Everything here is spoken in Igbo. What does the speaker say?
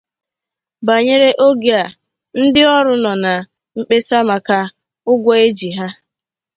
Banyere oge a, ndị ọrụ nọ na mkpesa maka ụgwọ eji ha.